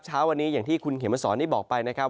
เช้าวันนี้อย่างที่คุณเขมสอนได้บอกไปนะครับ